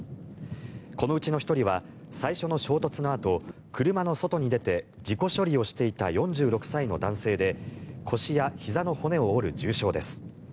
このうちの１人は最初の衝突のあと車の外に出て事故処理をしていた４６歳の男性で腰やひざの骨を折る重傷です。